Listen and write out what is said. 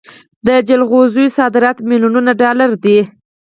د جلغوزیو صادرات میلیونونه ډالر دي.